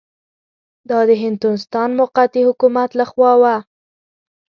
دا د هندوستان موقتي حکومت له خوا وه.